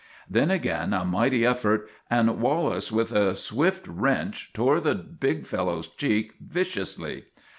Then again a mighty effort, and Wallace with a swift wrench tore the big fellow's cheek viciously.